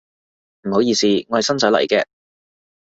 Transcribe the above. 唔好意思，我新仔嚟嘅